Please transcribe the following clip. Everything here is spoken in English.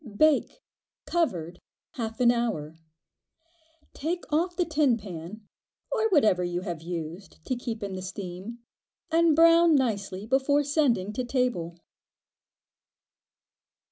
Bake, covered, half an hour. Take off the tin pan, or whatever you have used to keep in the steam, and brown nicely before sending to table.